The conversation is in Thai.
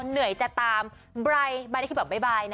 เหนื่อยจะตามบรัยบ๊ายบายนะ